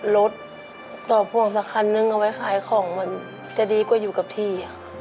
รถต่อพ่วงสักคันนึงเอาไว้ขายของมันจะดีกว่าอยู่กับที่